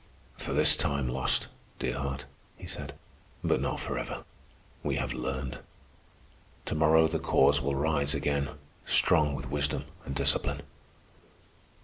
"For this time lost, dear heart," he said, "but not forever. We have learned. To morrow the Cause will rise again, strong with wisdom and discipline."